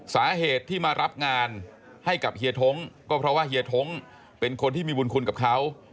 สาเหตุที่มารับงานให้กับเฮียท้งก็เพราะว่าเฮียท้งเป็นคนที่มีบุญคุณกับเขา